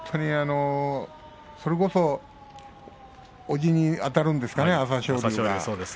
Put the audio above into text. それこそ朝青龍がおじにあたるんですかね。